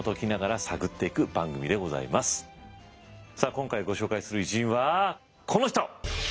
今回ご紹介する偉人はこの人。